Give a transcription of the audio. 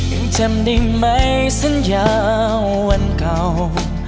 ยังจำได้ไหมสัญญาวันเก่า